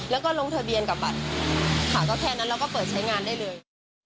แล้วก็ลงทะเบียนกับบัตรค่ะก็แค่นั้นเราก็เปิดใช้งานได้เลย